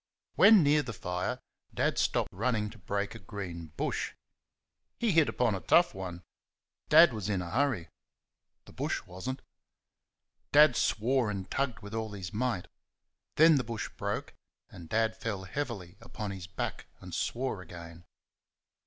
When near the fire Dad stopped running to break a green bush. He hit upon a tough one. Dad was in a hurry. The bush was n't. Dad swore and tugged with all his might. Then the bush broke and Dad fell heavily upon his back and swore again.